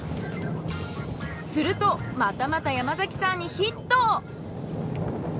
するとまたまた山崎さんにヒット。